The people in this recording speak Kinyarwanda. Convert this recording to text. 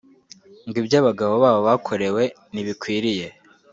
ngo ibyo abagabo babo bakorewe ntibikwiye